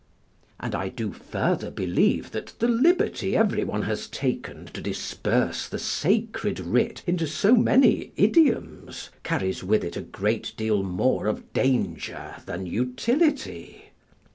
And I do further believe that the liberty every one has taken to disperse the sacred writ into so many idioms carries with it a great deal more of danger than utility.